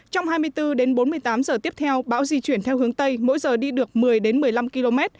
trong hai mươi bốn h đến bốn mươi tám h tiếp theo bão di chuyển theo hướng tây mỗi giờ đi được một mươi đến một mươi năm km